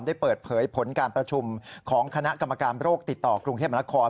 ได้เปิดเผยผลการประชุมของคณะกรรมการโรคติดต่อกรุงเทพมนาคม